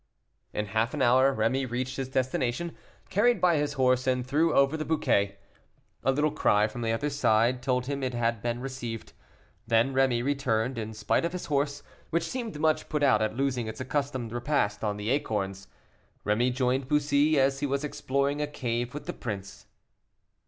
In half an hour Rémy reached his destination, carried by his horse, and threw over the bouquet; a little cry from the other side told him it had been received. Then Rémy returned, in spite of his horse, which seemed much put out at losing its accustomed repast on the acorns. Rémy joined Bussy as he was exploring a cave with the prince.